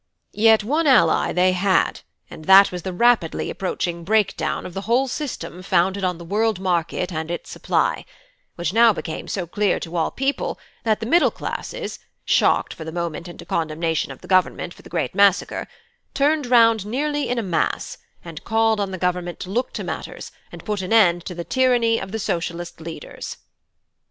Yet one ally they had, and that was the rapidly approaching breakdown of the whole system founded on the World Market and its supply; which now became so clear to all people, that the middle classes, shocked for the moment into condemnation of the Government for the great massacre, turned round nearly in a mass, and called on the Government to look to matters, and put an end to the tyranny of the Socialist leaders.